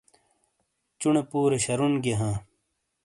چُونے پورے شرُون گئیے ہاں ۔